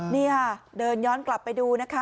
นี่ค่ะเดินย้อนกลับไปดูนะคะ